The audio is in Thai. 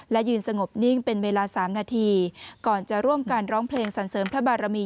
และยืนสงบนิ่งเป็นเวลา๓นาทีก่อนจะร่วมกันร้องเพลงสรรเสริมพระบารมี